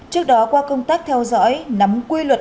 trước đó qua công tác theo dõi nắm quy luật